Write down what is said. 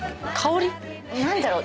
何だろう？